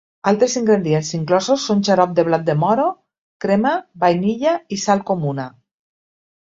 Altres ingredients inclosos són xarop de blat de moro, crema, vainilla i Sal comuna.